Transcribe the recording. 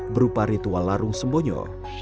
berupa ritual larung sembonyo